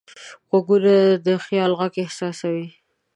غوږونه د خیال غږ احساسوي